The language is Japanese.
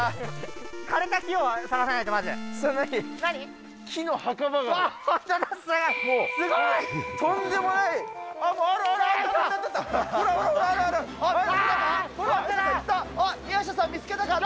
枯れた木を探さないと、まず。